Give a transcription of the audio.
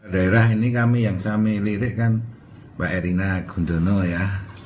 daerah ini kami yang kami lirik kan pak erina gundono ya